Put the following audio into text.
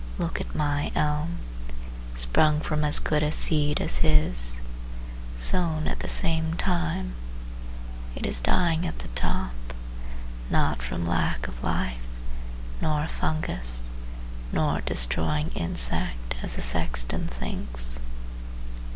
Look at my elm! Sprung from as good a seed as his, Sown at the same time, It is dying at the top: Not from lack of life, nor fungus, Nor destroying insect, as the sexton thinks.